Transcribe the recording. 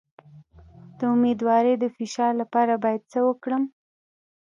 د امیدوارۍ د فشار لپاره باید څه وکړم؟